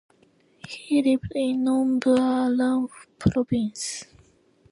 He lived in Nong Bua Lamphu Province.